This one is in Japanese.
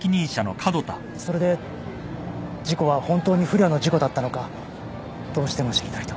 それで事故は本当に不慮の事故だったのかどうしても知りたいと。